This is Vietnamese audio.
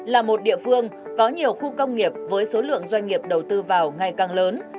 là một địa phương có nhiều khu công nghiệp với số lượng doanh nghiệp đầu tư vào ngày càng lớn